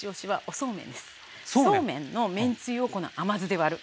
そうめん⁉そうめんのめんつゆをこの甘酢で割る。